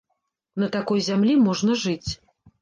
На такой зямлі можна жыць.